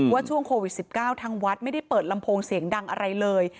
ช่วงโควิด๑๙ทางวัดไม่ได้เปิดลำโพงเสียงดังอะไรเลย